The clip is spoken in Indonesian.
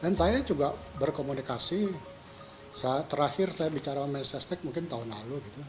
dan saya juga berkomunikasi terakhir saya bicara sama sstec mungkin tahun lalu gitu